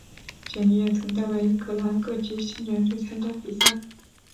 简尼也曾代表英格兰各级青年队参加比赛。